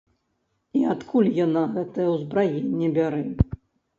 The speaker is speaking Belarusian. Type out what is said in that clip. І адкуль яна гэтае ўзбраенне бярэ?